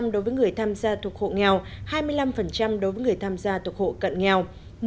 đối với người tham gia thuộc hộ nghèo hai mươi năm đối với người tham gia thuộc hộ cận nghèo